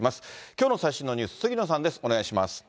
きょうの最新のニュース、杉野さんです。